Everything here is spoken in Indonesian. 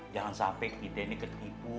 jangan sampai kita ini ketipu